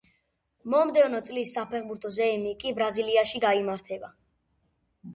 მომდევნო წლის საფეხბურთო ზეიმი კი ბრაზილიაში გაიმართება.